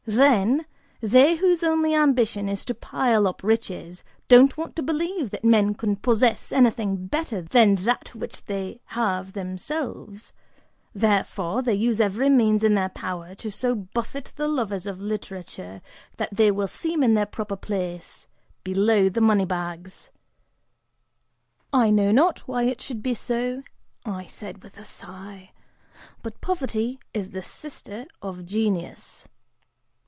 Then, they whose only ambition is to pile up riches, don't want to believe that men can possess anything better than that which they have themselves; therefore, they use every means in their power to so buffet the lovers of literature that they will seem in their proper place below the moneybags." "I know not why it should be so," (I said with a sigh), "but Poverty is the sister of Genius."